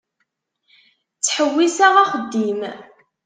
Ttḥewwiseɣ axeddim.